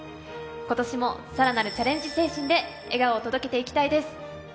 今年もさらなるチャレンジ精神で笑顔を届けていきたいです。